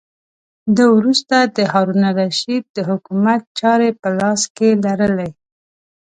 ده وروسته د هارون الرشید د حکومت چارې په لاس کې لرلې.